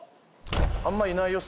あんまいないよ？